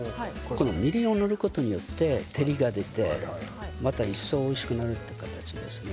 みりんを塗ることによって照りが出てまた一層おいしくなるという形ですね。